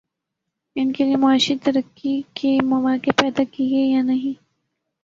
ان کے لیے معاشی ترقی کے مواقع پیدا کیے یا نہیں؟